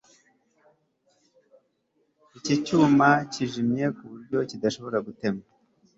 Iki cyuma kijimye kuburyo kidashobora gutemwa